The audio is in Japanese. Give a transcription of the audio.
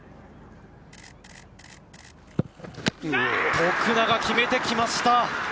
徳永決めてきました！